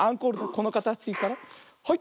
このかたちからはい。